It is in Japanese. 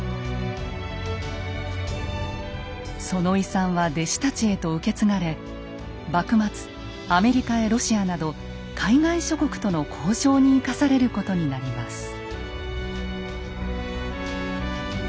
その遺産は弟子たちへと受け継がれ幕末アメリカやロシアなど海外諸国との交渉に生かされることになります。